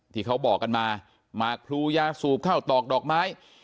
ที่เขาบอกกันมาหมากพลูยาสูบข้าวตอกดอกไม้